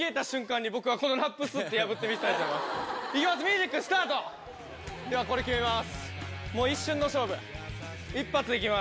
ではここで決めます。